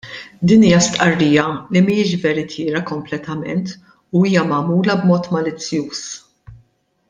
Din hija stqarrija li mhijiex veritiera kompletament u hija magħmula b'mod malizzjuż.